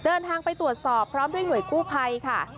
เดินทางไปตรวจสอบพร้อมด้วยหน่วยกู้ภัยค่ะ